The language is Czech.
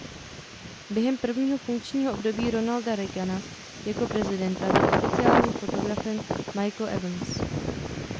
Během prvního funkčního období Ronalda Reagana jako prezidenta byl oficiálním fotografem Michael Evans.